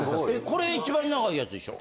これ一番長いやつでしょ？